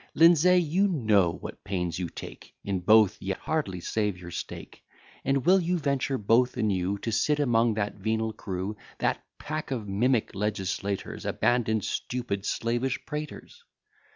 Lindsay, you know what pains you take In both, yet hardly save your stake; And will you venture both anew, To sit among that venal crew, That pack of mimic legislators, Abandon'd, stupid, slavish praters?